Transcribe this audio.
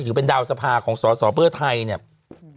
ถือเป็นดาวสภาของสอสอเพื่อไทยเนี่ย